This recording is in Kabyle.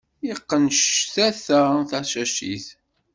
Iqqen ctata tacacit.